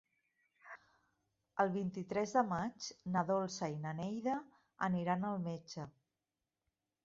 El vint-i-tres de maig na Dolça i na Neida aniran al metge.